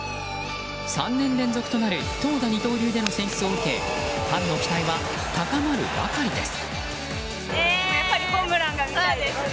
３年連続となる投打二刀流での選出を受けファンの期待は高まるばかりです。